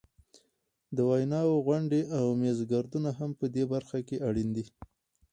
د ویناوو غونډې او میزګردونه هم په دې برخه کې اړین دي.